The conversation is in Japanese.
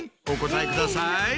お答えください。